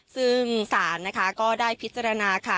ซึ่งศาลนะคะก็ได้พิจารณาค่ะ